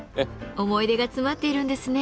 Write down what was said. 思い出が詰まっているんですね。